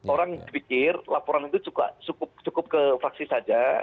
orang pikir laporan itu juga cukup ke fraksi saja